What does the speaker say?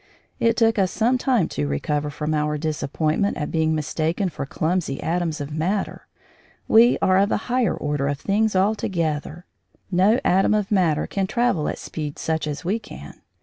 It took us some time to recover from our disappointment at being mistaken for clumsy atoms of matter. We are of a higher order of things altogether. No atom of matter can travel at speeds such as we can.